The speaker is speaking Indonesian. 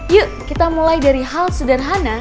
yuk kita mulai dari hal sederhana